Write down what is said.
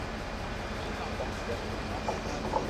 ايم ڪون ڪري ڀلا